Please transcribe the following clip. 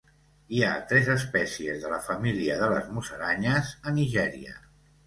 Hi ha tres espècies de la família de les musaranyes a Nigèria.